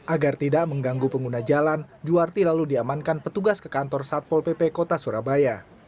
agar tidak mengganggu pengguna jalan juwarti lalu diamankan petugas ke kantor satpol pp kota surabaya